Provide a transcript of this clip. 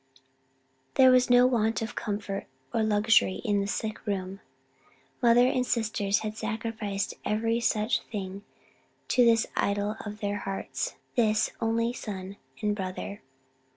There was no want of comfort or luxury in the sick room. Mother and sisters had sacrificed every such thing to this idol of their hearts, this only son and brother.